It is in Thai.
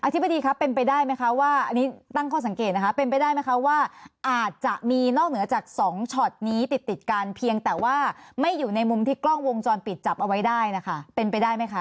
ธิบดีครับเป็นไปได้ไหมคะว่าอันนี้ตั้งข้อสังเกตนะคะเป็นไปได้ไหมคะว่าอาจจะมีนอกเหนือจาก๒ช็อตนี้ติดติดกันเพียงแต่ว่าไม่อยู่ในมุมที่กล้องวงจรปิดจับเอาไว้ได้นะคะเป็นไปได้ไหมคะ